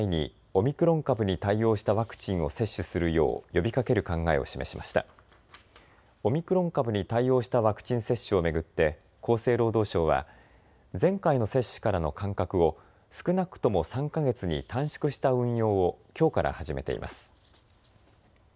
オミクロン株に対応したワクチン接種を巡って厚生労働省は前回の接種からの間隔を少なくとも３か月に短縮した運用をきょうから始めています。